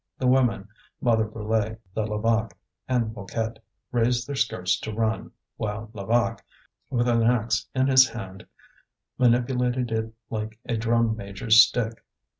The women Mother Brulé, the Levaque, and Mouquette raised their skirts to run, while Levaque, with an axe in his hand, manipulated it like a drum major's stick.